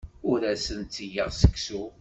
Ur asen-d-ttgeɣ seksu.